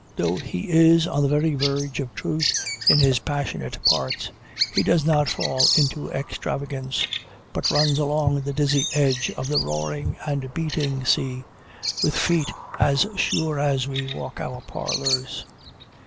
Though he is on the very verge of truth in his passionate parts, he does not fall into extravagance; but runs along the dizzy edge of the roaring and beating sea, with feet as sure as we walk our parlors.